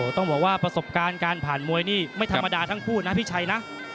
ต้องบอกว่าประสบการณ์การผ่านมวยนี่ไม่ธรรมดาทั้งคู่นะพี่ชัยนะ